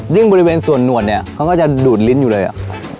บริเวณส่วนหนวดเนี่ยเขาก็จะดูดลิ้นอยู่เลยอ่ะ